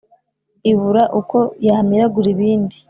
Ibura uko yamiragura ibindi,